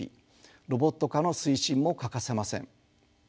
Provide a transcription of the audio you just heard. ロボット化の推進も欠かせません。